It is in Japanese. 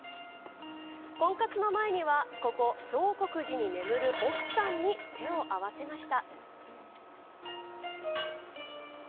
婚活の前にはここ、長谷寺に眠る奥さんに手を合わせました。